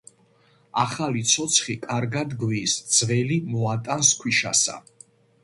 ახალი ცოცხი კარგად გვის ძველი მოატანს ქვიშასა,.